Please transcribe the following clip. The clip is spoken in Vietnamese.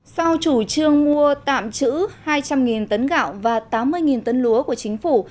sau chủ trương mua tạm chữ hai trăm linh tấn gạo và tám mươi tấn lúa của chính phủ